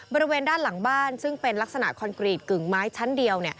บริเวณด้านหลังบ้านซึ่งเป็นลักษณะคอนกรีตกึ่งไม้ชั้นเดียว